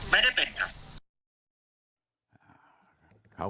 ไม่ได้เป็นครับ